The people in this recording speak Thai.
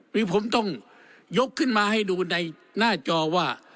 หรือผมต้องยกขึ้นมาให้ดูในหน้าจอว่า